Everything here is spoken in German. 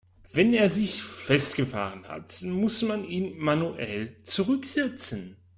Wenn er sich festgefahren hat, muss man ihn manuell zurücksetzen.